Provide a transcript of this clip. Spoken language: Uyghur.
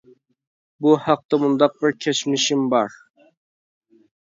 بۇ ھەقتە مۇنداق بىر كەچمىشىم بار.